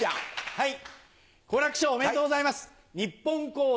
はい。